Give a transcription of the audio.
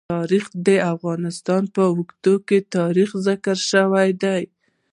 تاریخ د افغانستان په اوږده تاریخ کې ذکر شوی دی.